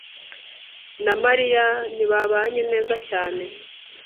na Mariya ntibabanye neza cyane.